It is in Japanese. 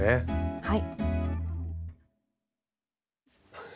はい。